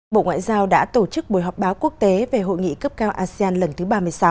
bộ ngoại giao đã tổ chức buổi họp báo quốc tế về hội nghị cấp cao asean lần thứ ba mươi sáu